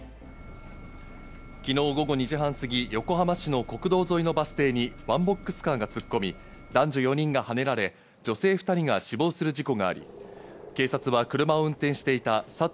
昨日午後２時半過ぎ、横浜市の国道沿いのバス停にワンボックスカーが突っ込み、男女４人がはねられ女性２人が死亡する事故があり、警察は車を運転していた佐藤